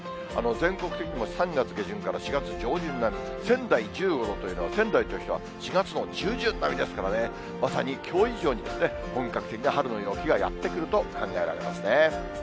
全国的にも３月下旬から４月上旬並み、仙台１５度というのは、仙台としては４月の中旬並みですからね、まさにきょう以上に本格的な春の陽気がやって来ると考えられますね。